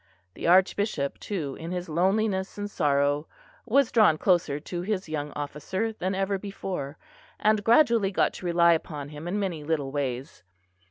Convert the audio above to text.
The Archbishop, too, in his loneliness and sorrow, was drawn closer to his young officer than ever before; and gradually got to rely upon him in many little ways.